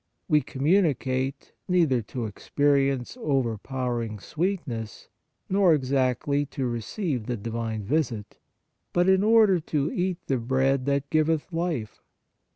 We communicate, neither to experience overpowering sweet ness nor exactly to receive the Divine visit, but in order to eat the bread that giveth life.